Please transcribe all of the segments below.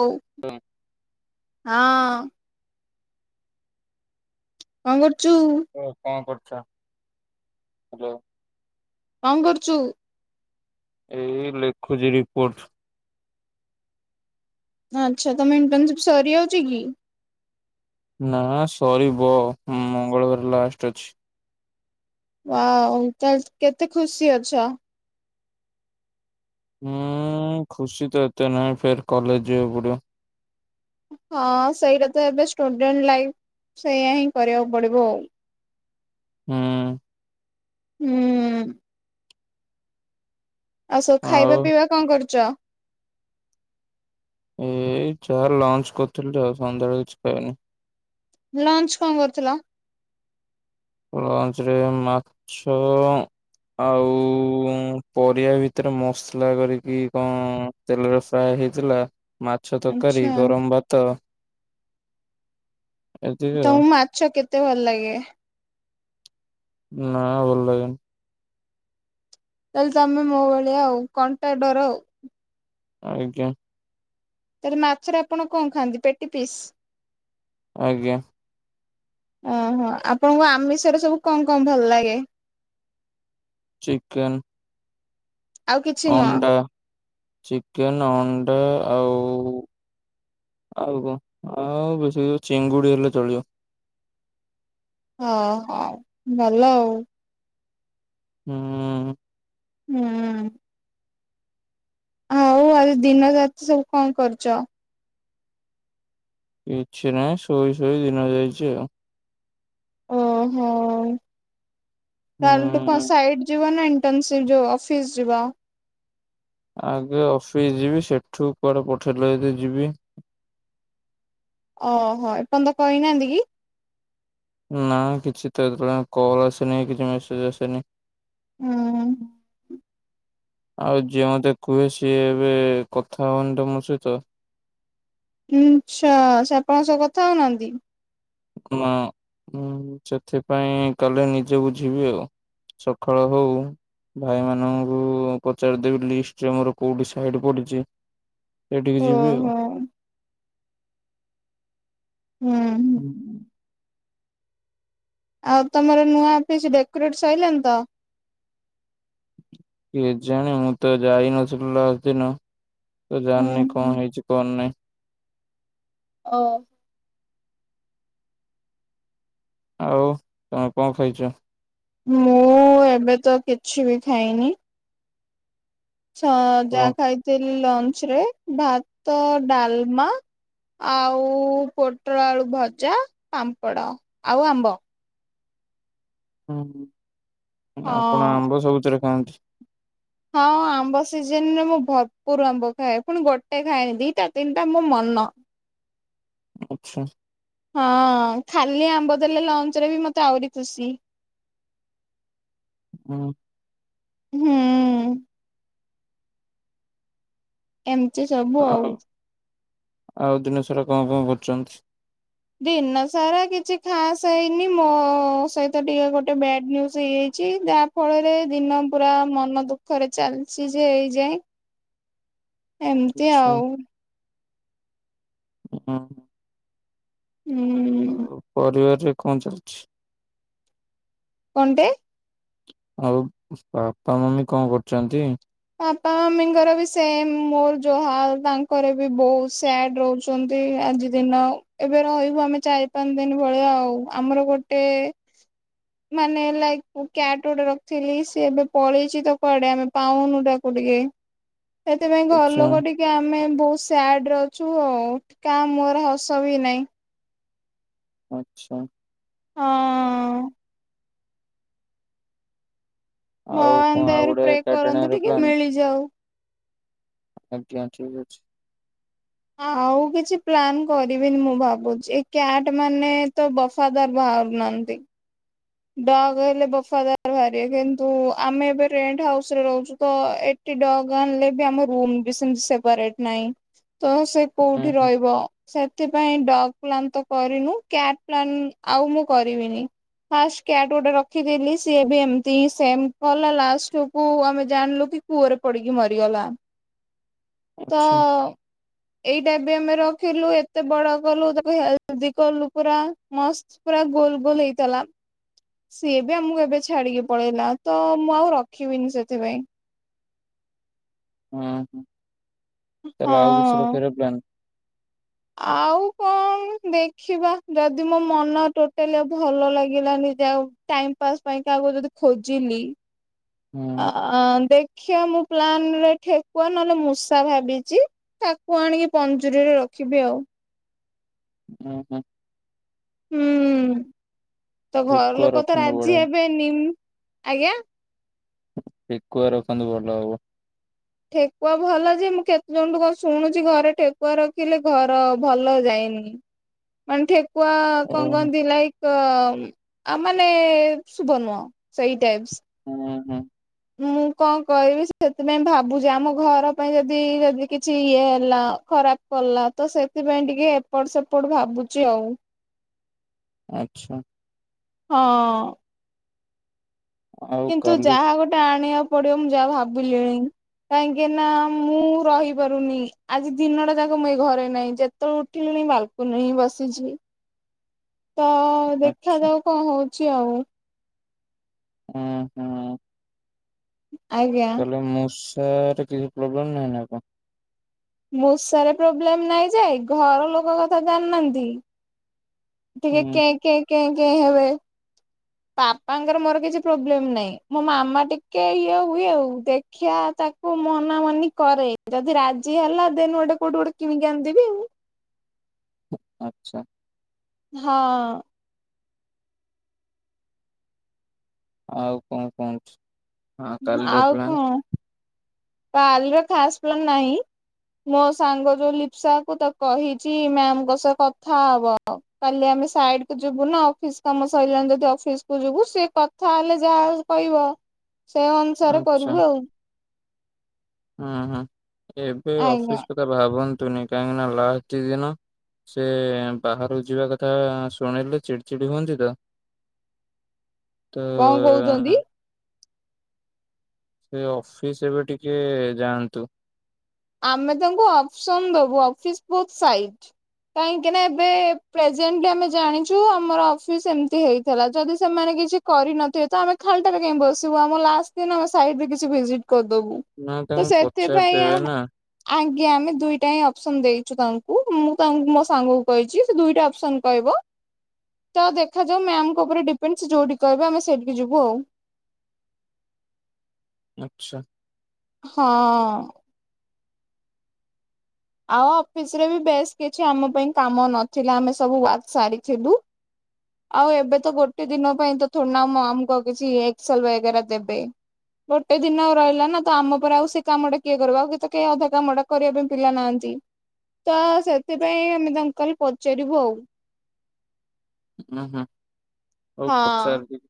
ହଉ [unintelligible] ହଁ। କଣ କରୁଚୁ? ଓ କଣ କରୁଚ? ହାଲୋ। କଣ କରୁଚୁ? ଏଇ ଲେଖୁଚି ରିପୋର୍ଟ। ଆଚ୍ଛା ତମେ ଇଣ୍ଟର୍ନସିପ ସରିଆଉଚି କି? ନା ସରିବ ମଙ୍ଗଳବାର ଲାଷ୍ଟ ଅଛି। ୱାଓ ତାହେଲେ କେତେ ଖୁସି ଅଛ? ହୁଁ ଖୁସି ତ ଏତେ ନାହିଁ ଫେର କଲେଜ ଯିବାକୁ ପଡିବ। ହଁ ସେଇଟା ତ ଏବେ ଷ୍ଟୁଡେଣ୍ଟ ଲାଇଫ ସେଇଆ ହିଁ କରିବାକୁ ପଡିବ ଆଉ। ହୁଁ। ହୁଁ। ଆଉ ସବୁ ଖାଇବା ପିଇବା କଣ କରୁଚ? ଏଇ ଯାହା ଲଞ୍ଚ କରିଥିଲି ତ ଆଉ ସନ୍ଧ୍ୟାବେଳେ କିଛି ଖାଇନି। ଲଞ୍ଚ୍ କଣ କରିଥିଲ? ଲଞ୍ଚରେ ମାଛ ଆଉ ପରିବା ଭିତରେ ମସଲା କରିକି କଣ ତେଲରେ ଫ୍ରାଏ ହେଇଥିଲା ମାଛ ତରକାରୀ ଆଚ୍ଛା ଗରମ ଭାତ। ଏତିକି ଆଉ ତମକୁ ମାଛ କେତେ ଭଲ ଲାଗେ? ନାଁ ଭଲ ଲାଗେନି। ତାହାଲେ ତମେ ମୋ ଭଳିଆ ଆଉ। କଣ୍ଟା ଡର ଆଉ। ଆଜ୍ଞା। ତାହେଲେ ମାଛରେ ଆପଣ କଣ ଖାଆନ୍ତି ପେଟି ପିସ୍। ଆଜ୍ଞା। ଓହୋ। ଆପଣଙ୍କୁ ଆମିଷରେ ସବୁ କଣ କଣ ଭଲ ଲାଗେ? ଚିକେନ୍। ଆଉ କିଛି ନୁହଁ ଅଣ୍ଡା, ଚିକେନ, ଅଣ୍ଡା ଆଉ ଆଉ କଣ? ଆଉ ବେଶୀ ଚିଙ୍ଗୁଡି ହେଲେ ଚଳିବ। ଓହୋ ଭଲ ଆଉ। ହୁଁ। ହୁଁ। ହଉ ଆଜି ଦିନ ରାତି ସବୁ କଣ କରିଚ? କିଛି ନାହିଁ ଶୋଇ ଶୋଇ ଦିନ ଯାଇଚି ଆଉ। ଓହୋ କଳିଠୁ ତୁ କଣ ହୁଁ। ସାଇଡ୍ ଯିବ ନାଇଁ। ଇଣ୍ଟର୍ନସିପ ଯୋଉ ଅଫିସ ଯିବା। ଆଗେ ଅଫିସ୍ ଯିବି ସେଠୁ କୁଆଡେ ପଠେଇଲେ ଯଦି ଯିବି। ଓହୋ ଏପର୍ଯ୍ୟନ୍ତ କହିନାହାନ୍ତି କି? ନା କିଛି ତ ଏପର୍ଯ୍ୟନ୍ତ କଲ୍ ଆସିନି କିଛି ମେସେଜ ଆସିନି। ହୁଁ। ଆଉ ଯିଏ ମତେ କୁହେ ସିଏ ଏବେ କଥା ହଉନି ତ ମୋ ସହିତ। ଆଛା ସେ ଆପଣଙ୍କ ସହ କଥା ହଉନାହାନ୍ତି? ନା। ଉଁ ସେଥିପାଇଁ ଗଲେ ନିଜେ ବୁଝିବି ଆଉ। ସକାଳ ହଉ। ଭାଇ ମାନଙ୍କୁ ପଚାରିଦେବି ଲିଷ୍ଟରେ ମୋର କୋଉଠି ସାଇଡ୍ ପଡିଚି ସେଇଠିକି ଯିବି ଆଉ। ଓହୋ ହୁଁ। ହୁଁ। ହୁଁଁ। ଆଉ ତମର ନୂଆ ଅଫିସ୍ ଡେକୋରେଟ୍ ସଇଲାଣିି ତ? କେଜାଣି ମୁଁ ତ ଯାଇନଥିଲି ଲାଷ୍ଟ ଦିନ, ତ ହୁଁ ଜାଣିନି ହୁଁ କଣ ହେଇଚି କଣ ନାଇଁ। ଓ। ଆଉ ତମେ କଣ ଖାଇଚ? ମୁଁ ଏବେ ତ କିଛି ବି ଖାଇନି। ଛ କଣ? ଯାହା ଖାଇଥିଲି ଲଞ୍ଚରେ। ଭାତ, ଡାଲମା ଆଉ ପୋଟଳ ଆଳୁ ଭଜା, ପାମ୍ପଡ଼ ଆଉ ଆମ୍ବ। ହଁ, ଆପଣ ହଁ। ଆମ୍ବ ସବୁଥିରେ ଖାଆନ୍ତି? ହଁ ହଁ ଆମ୍ବ ସିଜିନରେ ମୁଁ ଭରପୁର୍ ଆମ୍ବ ଖାଏ, ପୁଣି ଗୋଟେ ଖାଏନି ଦିଟା ତିନିଟା ମୋ ମନ। ଆଚ୍ଛା। ହଁ, ଖାଲି ଆମ୍ବ ଦେଲେ ଲଞ୍ଚରେ ବି ମତେ ଆହୁରି ଖୁସି। ହୁଁ। ହୁଁ। ଏମତି ସବୁ ଆଉ। ଆଉ ଦିନ ସାରା କଣ କଣ କରୁଚନ୍ତି? ଦିନ ସାରା କିଛି ଖାସ୍ ହେଇନି, ମୋ ଅ ସହିତ ଟିକେ ଗୋଟେ ବ୍ୟାଡ୍ ନ୍ୟୁଜ୍ ହେଇଯାଇଛି, ଯାହା ଫଳରେ ଦିନ ପୁରା ମନ ଦୁଃଖରେ ଚାଲିଛି ଯେ ଏଇଯାଏଁ। ଏମତି ଆଛା ଆଉ। ହଁ। ହୁଁ। ଆଉ ପରିବାରରେ କଣ ଚାଲଛି? କଣଟେ? ଆଉ ବାପା ମମି କଣ କରୁଚନ୍ତି? ବାପା ମମିଙ୍କର ବି ସେମ୍, ମୋର ଯୋଉ ହାଲ୍ ତାଙ୍କର ବି ବହୁତ ସ୍ୟାଡ୍ ରହୁଛ ଚନ୍ତି, ଆଜି ଦିନ ଏବେ ରହିବୁ ଆମେ ଚାରି ପାଞ୍ଚ ଦିନି ଭଳିଆ ଆଉ। ଆମର ଗୋଟେ ମାନେ ଲାଇକ୍ କ୍ୟାଟ ଗୋଟେ ରଖିଥିଲି, ସେ ଏବେ ପଳେଇଛି ତ କୁଆଡେ ଆମେ ପାଉନୁ ତାକୁ ଟିକେ। ସେଥିପାଇଁ ଘର ଆଛା ଲୋକ ଟିକେ କି ଆମେ ବହୁତ ସ୍ୟାଡ଼ରେ ଅଛୁ ଆଉ। କାଆ ମୁହଁରେ ହସ ବି ନାହିଁ। ଆଚ୍ଛା। ହଁ ଅ ଅ। ଆଉ କଣ ଭଗବାନଙ୍କ ଆଉ ଦୟାରୁ ଗୋଟେ ପ୍ରେ କରନ୍ତୁ ଏକାଟେଣିଆର ଟିକେ ପ୍ଲାନ ମିଳିଯାଉ। ଆଜ୍ଞା ଠିକ୍ ଅଛି। ଆ ଆଉ ମୁଁ କିଛି ପ୍ଲାନ୍ କରିବିନି ମୁଁ ଭାବୁଛି, ଏଇ କ୍ୟାଟ ମାନେ ତ ବଫାଦାର ବାହାରୁନାହାଁନ୍ତି। ଡଗ୍ ହେଲେ ବଫାଦାର ବାହାରିବେ କିନ୍ତୁ ଆମେ ଏବେ ରେଣ୍ଟ ହାଉସରେ ରହୁଛୁ ତ, ଏ ଟି ଡଗ୍ ଆଣିଲେ ବି ଆମ ରୁମ୍ ବି ସେମତି ସେପାରେଟ ନାହିଁ। ତ ସେ ଉଁ କୋଉଠି ହୁଁ ରହିବ? ସେଥିପାଇଁ ଡଗ୍ ପ୍ଲାନ ତ କରିନୁ, କ୍ୟାଟ ପ୍ଲାନ ଆଉ ମୁଁ କରିବିନି। ଫାଷ୍ଟ କ୍ୟାଟ୍ ଗୋଟେ ରଖିଥିଲି, ସିଏ ବି ଏମତି ହିଁ ସେମ୍ କଲା ଲାଷ୍ଟକୁ ଆମେ ଜାଣିଲୁ କି କୂଅରେ ପଡିକି ମରିଗଲା। ତ ଆଚ୍ଛା ଏଇଟା ବି ଆମେର ଥିଲୁ, ଏତେ ବଡ କଲୁ, ତାକୁ ହେଲ୍ପ ବି କଲୁ ପୁରା ମସ୍ତ୍ ପୁରା ଗୋଲ ଗୋଲ ହେଇଥିଲା। ସିଏ ବି ଆମକୁ ଏବେ ଛାଡିକି ପଳେଇଲା, ତ ମୁଁ ଆଉ ରଖିବିନି ସେଥିପାଇଁ। ହଁ ହଁ। ତାହେଲେ ଆଉ କିଛି ହଁ। ରଖିବାର ପ୍ଲାନ୍ ଆଉ କଣ ଦେଖିବା ଯଦି ମୋ ମନ ଟୋଟାଲି ଆଉ ଭଲ ଲାଗିଲାନି ଯାଉ ଟାଇମ୍ ପାସ୍ ପାଇଁ କାହାକୁ ଯଦି ଖୋଜିଲି ହୁଁ ଅ ଆ ଦେଖିବା ମୁଁ ପ୍ଲାନ୍ ରେ ଠେକୁଆ ନହେଲେ ମୂଷା ଭାବିଚି। ଠେକୁଆ ଆଣିକି ପଞ୍ଜୁରୀରେ ରଖିବି ଆଉ। ହୁଁ ହୁଁ। ହୁଁ ତ ଘର ଠେକୁଆ ଲୋକ ତ ରଖନ୍ତୁ ରାଜି ବଢିଆ ହେବେନି। ଆଜ୍ଞା ଠେକୁଆ ରଖନ୍ତୁ ଭଲ ହବ। ଠେକୁଆ ଭଲ ଯେ ମୁଁ କେତେ ଜଣଙ୍କଠୁ କଣ ଶୁଣୁଛି ଘରେ ଠେକୁଆ ରଖିଲେ ଘର ଭଲ ଯାଏନି। ମାନେ ଠେକୁଆ ଓହୋ କଣ କହଁନ୍ତି ଲାଇକ୍ ଅ ଆ ମାନେ ଶୁଭ ନୁହଁ ସେଇ ଟାଇପ୍ସ୍। ହୁଁ ହୁଁ। ମୁଁ କଣ କହିବି ସେଥିପାଇଁ ଭାବୁଛି ଆମ ଘର ପାଇଁ ଯଦି ଯଦି କିଛି ଇଏ ହେଲା ଖରାପ କଲା ତ ସେଥିପାଇଁ ଟିକେ ଏପଟ ସେପଟ ଭାବୁଚି ଆଉ। ଆଚ୍ଛା ହଁ ଆଉ କିନ୍ତୁ କାଲି ଯାହା ଗୋଟେ ଆଣିବାକୁ ପଡିବ ମୁଁ ଯାହା ଭାବିଲିଣି। କାହିଁକି ନା ମୁଁ ରହିପାରୁନି। ଆଜି ଦିନଟା ଯାକ ମୁଁ ଏଇ ଘରେ ନାହିଁ। ଯେତେବେଳେ ଉଠିଲିଣି ବାଲ କୁନିରେ ହିଁ ବସିଛି ତ ଆଚ୍ଛା ଦେଖାଯାଉ କଣ ହଉଛି। ଆଉ ହୁଁ ହୁଁ। ଆଜ୍ଞା। ତାହେଲେ ମୂଷାରେ କିଛି ପ୍ରୋବ୍ଲେମ ନାହିଁ ନା କଣ? ମୂଷାରେ ପ୍ରୋବ୍ଲେମ ନାଇଁ ଯେ ଘର ଲୋକ କଥା ଜାଣିନାହାନ୍ତି। ଟିକେ ହୁଁ କେ ହୁଁ କେ କେ କେ ହେବେ। ବାପାଙ୍କର ମୋର କିଛି ପ୍ରୋବ୍ଲେମ ନାହିଁ। ମୋ ମାମା ଟିକେ ଇଏ ହୁଏ। ଆଉ ଦେଖିବା ତା ମୁଁ ମନା ମନି କରେ ଯଦି ରାଜି ହେଲା ଦେନ ଗୋଟେ କୋଉଠି ଗୋଟେ କିମିକି ଆଣିଦିବି ଆଉ। ଆଚ୍ଛା ହଁ ଆଉ କଣ କୁହନ୍ତୁ? ଉଁ କାଲିର ଆଉ ପ୍ଲାନ୍? କଣ ପାଲିର ଖାସ ପ୍ଲାନ୍ ନାହିଁ। ମୋ ସାଙ୍ଗ ଯୋଉ ଲିପସା କୁ ତ କହିଛି ମ୍ୟାମଙ୍କ ସହ କଥା ହବ। କାଲି ଆମେ ସାଇଡ କୁ ଯିବୁ ନା ଅଫିସ କାମ ସରିଲାଣି ଯଦି ଅଫିସ କୁ ଯିବୁ। ସେ କ ଥା ହେଲେ ଯାହା କହିବ ସେ ଅନୁସାରେ ଆଚ୍ଛା କରିବୁ ଆଉ। ହୁଁ ହୁଁ ଏବେ ଆଜ୍ଞା ଅଫିସ କଥା ଭାବନ୍ତୁନି। କାହିଁକି ନା ଲାଷ୍ଟ ଦି ଦିନ ସେ ବାହାରୁକୁ ଯିବା କଥା ଶୁଣିଲେ ଚିଡି ଚିଡି ହୁଅନ୍ତି ତ। [unintelligible] ତ କହୁଛନ୍ତି? ସେ ଅଫିସ ଏବେ ଟିକେ ଯାଆନ୍ତୁ। ଆମେ ତାଙ୍କୁ ଅପସନ ଦବୁ ଅଫିସ ବୋଥ ସାଇଟ କାହିଁକି ନା ଏବେ ପ୍ରେଜେଣ୍ଟଲି ଆମେ ଜାଣିଛୁ ଆମର ଅଫିସ ଏମିତି ହେଇଥିଲା ଯଦି ସେମାନେ କିଛି କରିନଥିବେ ତ ଆମେ ଖାଲଟାରେ କାଇହି ବସିବୁ। ଆମ ଲାଷ୍ଟ ଦିନ ଆମେ ସାଇଡରେ କିଛି ଭିଜିଟ୍ କରିଦବୁ। ନା ତ ତାଙ୍କୁ ସେଥିପାଇଁ ଆ ପଚାରିଦେବେ ନା ଆଜ୍ଞା ଆମେ ଦୁଇଟା ହିଁ ଅପସନ ଦେଇଛୁ ତାଙ୍କୁ। ମୁଁ ତାଙ୍କୁ ମୋ ସାଙ୍ଗକୁ କହିଛି ସେ ଦୁଇଟା ଅପସନ କହିବ ତ ଦେଖାଯାଉ ମ୍ୟାମଙ୍କ ଉପରେ ଡିପେଣ୍ଡ ଯୋଉଠି କହିବେ ଆମେ ସେଇଠିକି ଯିବୁ ଆଉ। ଆଛା ହଁ। ଆଉ ଅଫିସ ରେ ବି ବେଶ କିଛି ଆମ ପାଇଁ କାମ ନଥିଲା ଆମେ ସବୁ ସାରିଥିଲୁ। ଆଉ ଏବେ ତ ଗୋଟେ ଦିନ ପାଇଁ ତ ଥୋଡିନା ଆମ ଆମକୁ କିଛି ଏକ୍ସଲ ବଗେରା ଦେବେ। ଗୋଟେ ଦିନ ଆଉ ରହିଲା ନା ତ ଆମ ପରେ ଆଉ ସେ କାମଟା କିଏ କରିବ ଆଉ କି ତ କେହି ଅଧା କାମଟା କରିବା ପାଇଁ ପିଲା ନାହା ନ୍ତି ତ ସେଥିପାଇଁ ଆମେ ତାଙ୍କ କାଲି ପଚାରିବୁ ଆଉ। ଉଉଁହୁଁ ହଉ ହଁ ପଚାର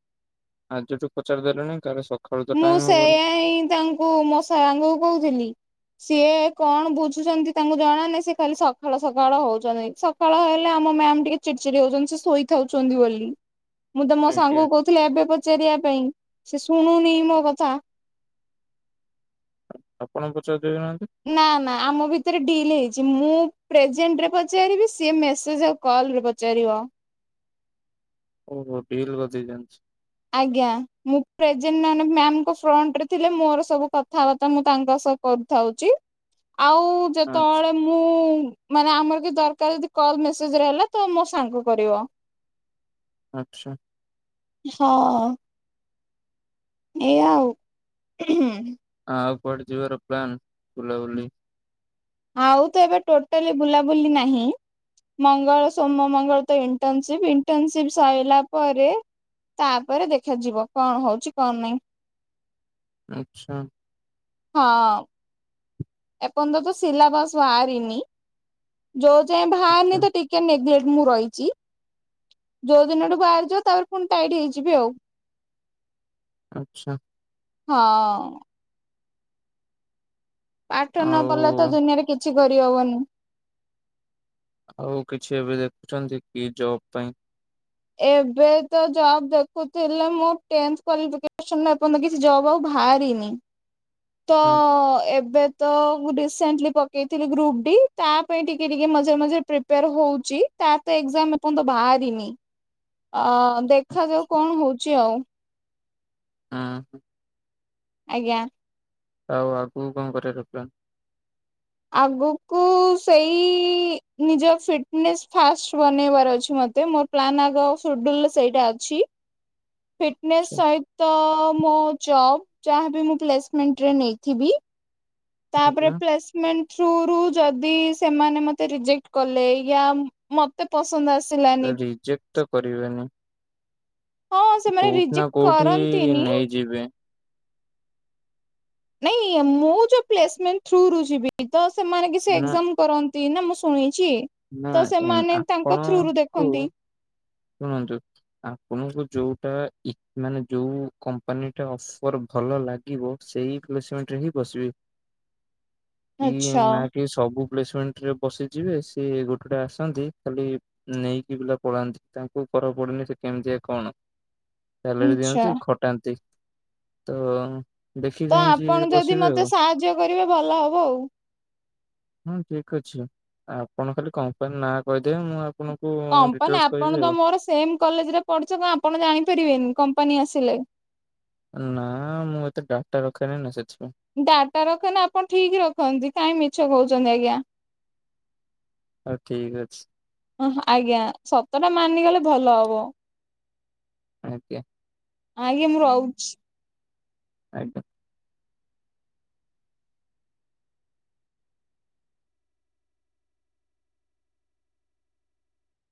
ଆଜିଠୁ ପଚାରି ଦେଲେଣି କାଲି ସ ମୁଁ ସେଆ ହିଁ ତାଙ୍କୁ ମଶା ସାଙ୍ଗକୁ କହୁଥିଲି। ସିଏ କଣ ବୁଝୁଛନ୍ତି ତାଙ୍କୁ ଜଣାନେ ସେ କାଲି ସଖାଳ ସକାଳ ହଉଛନ୍ତି ସ ଫଳ ହେଲେ ଆମ ମ୍ୟାମ ଟିକେ ଚିଡି ଚିଡି ହଉଛନ୍ତି ସେ ଶୋଇଥାଉଛନ୍ତି ବୋଲି। ମୁଁ ତ ମୋ ଆଜ୍ଞା ସାଙ୍ଗକୁ କହୁଥିଲି ଏବେ ପଚାରିବା ପାଇଁ ସେ ଶୁଣୁନି ମୋ କଥା। ଆପଣ ପଚାରିଦବେନାହାନ୍ତି। ନା ନା ଆମ ଭିତରେ ଡିଲ୍ ହେଇଛି ମୁଁ ପ୍ରେଜେଣ୍ଟରେ ପଚାରିବି ସିଏ ମେସେଜ ଆ କଲ ରେ ପଚାରିବ। ଓହୋ ଡିଲ ଗଜେଇ ଜାଣିଛି। ଆଜ୍ଞା ମୁଁ ପ୍ରେଜେନ ନାନ୍ ଅଫ୍ ମାମ ଙ୍କୁ ଫ୍ରଣ୍ଟ ରେ ଥିଲେ ମୋର ସବୁ କଥାବାର୍ତ୍ତା ମୁଁ ତାଙ୍କ ସହ କରିଥାଉଛି ଆଉ ଆଚ୍ଛା ଯେତେବେଳେ ମୁଁ ମାନେ ଆମର କି ଦରକାର ଯଦି କଲ ମେସେଜରେ ହେଲା ତ ମୋ ସାଙ୍ଗ କରିବ। ଆଚ୍ଛା। ହଁ। ଏୟା ଆଉ। ଆଉ କୁଆଡେ ଯିବାର ପ୍ଲାନ୍ ବୁଲାବୁଲି। ଆଉ ତ ଏବେ ଟୋଟାଲି ବୁଲାବୁଲି ନାହିଁ। ମଙ୍ଗଳ ସୋମ ମଙ୍ଗଳ ତ ଇଣ୍ଟର୍ନସିପ୍ ଇଣ୍ଟର୍ନସିପ ସଇଲା ପରେ ତାପରେ ଦେଖାଯିବ କଣ ହଉଛି କଣ ନାହିଁ? ଆଚଛା। ହଁ। ଏପର୍ଯ୍ୟନ୍ତ ତ ସିଲାବାସ ବାହାରିନି ଯୋଉ ଯାଏଁ ବାହାରନି ଆଚ୍ଛା ତ ଟି କେ ନେଗ୍ଲେଟ ମୁଁ ରହିଛି। ଯୋଉ ଦିନ ଠୁ ବାହାରିଯିବ ତାପରେ ପୁଣି ଟାଇଟ୍ ହେଇଯିବି ଆଉ। ଆଚଛା। ହଁ। ପାଠ ନ ଆଉ ପଢିଲେ ତ ଦୁନିଆରେ କିଛି କରିହବନି। ଆଉ କିଛି ଏବେ ଦେଖୁଛନ୍ତି କି ଜବ ପାଇଁ। ଏବେ ତ ଜବ ଦେଖୁଥିଲେ ମୁଁ ଟେନ୍ଥ କ୍ୱାଲିଫିକେଶନ ଏ ପନ କି ଜବ୍ ଆଉ ବାହାରିନି ତ ହୁଁ ହୁଁ ଏବେ ତ ମୁଁ ରିସେଣ୍ଟଲି ପକେଇଥିଲି ଗ୍ରୁପ ଡି ତା ପାଇଁ ଟିକେ ଟିକେ ମଝିରେ ମଝିରେ ପ୍ରିପେୟାର ହଉଛି। ତା ତ ଏକ୍ଜାମ ଏପର୍ଯ୍ୟନ୍ତ ବାହାରିନି ଅ ହୁଁ ଦେଖାଯାଉ କଣ ହଉଛି ଆଉ। ହଁ। ଆଜ୍ଞା। ଆଉ ଆଗକୁ କଣ କରିଆର ପ୍ଲାନ? ଆଗକୁ ସେଇ ନିଜ ଫିଟନେସ୍ ଫାଷ୍ଟ ବନେଇବାର ଅଛି ମତେ ମୋର ପ୍ଲାନ ଆଗ ଶୁଡ୍ୟୁଲ ସେଇଟା ଅଛି। ଫିଟନେସ୍ ଆଚ୍ଛା ସହିତ ମୋ ଜବ୍ ଯାହାବି ମୁଁ ପ୍ଲେସମେଣ୍ଟରେ ନେଇଥିବି। ତାପରେ ହୁଁ ପ୍ଲେସମେଣ୍ଟ ଥ୍ରୁ ରୁ ଯଦି ସେମାନେ ମତେ ରିଜେକ୍ଟ କଲେ ୟାମ ମତେ ପସନ୍ଦ ଆସିଲାନି। ରିଜେକ୍ଟ ତ କରିବେନି। ହଁ ସେମାନେ କୋଉଠି ନା ରିଜେକ୍ଟ କୋଉଠି କରନ୍ତିନି। ନେଇଯିବେ। ନାଇଁ ମୁଁ ଯୋଉ ପ୍ଲେସମେଣ୍ଟ ଥ୍ରୁ ରୁ ଯିବି ତ ସେମାନେ କିଛି ନା ଏକଜାମ କରନ୍ତି ନା ମୁଁ ଶୁଣିଛି ନା ତ ଏମ୍ ସେମାନେ ତାଙ୍କ ଥ୍ରୁରୁ ଆପଣଙ୍କୁ ଦେଖନ୍ତି। ଶୁଣନ୍ତୁ। ଆପଣଙ୍କୁ ଯୋଉଟା ଇ ମାନେ ଯୋଉ କମ୍ପାନୀ ଟା ଅଫର ଭଲ ଲା ଗି ବୋହୁତ ସେଇ ପ୍ଲେସମେଣ୍ଟଟରେ ହଁ ବସିବି। [unintelligible] କି ନା କି ସବୁ ପ୍ଲେସମେଣ୍ଟ ରେ ବସି ଯିବେ ସି ଗୋଟେଟେ ଆସନ୍ତି ଖାଲି ନେଇକି ପିଲା ପଳାନ୍ତି। ତାଙ୍କୁ କରକୁ ପଡୁନି ସେ କେମିତିଆ କଣ ସାଲାରୀ ଆଚ୍ଛା। ଦିଅନ୍ତି ଖଟାନ୍ତି। ତ। ଦେଖି ତ ଚାହିଁ ଯିଏ ଆପଣ ଯଦି ବସିବେ ମତେ ଆଉ। ସାହାଯ୍ୟ କରିବେ ଭଲ ହବ ଆଉ। ହଁ ଠିକ ଅଛି ଆପଣ ଖାଲି କମ୍ପାନୀ ନାଁ କହିଦେବେ ମୁଁ ଆପଣଙ୍କୁ କମ୍ପାନୀ ଡିଟେଲସ। ଆପଣ କହିବି ତ ଆଉ। ମୋର ସେମ କଲେଜ ରେ ପଢିଛ ତ ଆପଣ ଜାଣିପାରିବେନି କମ୍ପାନୀ ଆସିଲେ। ନା ମୁଁ ଏତେ ଡାଟା ରଖେନି [unintelligible] ଡାଟା ରଖେ ନା ଆପଣ ଠିକ ରଖନ୍ତି କାଇ ମିଛ କହୁଛନ୍ତି ଆଜ୍ଞା। ହଉ ଠିକ୍ ଅଛି। ଓ ଆଜ୍ଞା ସତଟା ମାନିଗଲେ ଭଲ ହବ। ଆଜ୍ଞା। ଆଜ୍ଞା ମୁଁ ରହୁଛି। ଆଜ୍ଞା।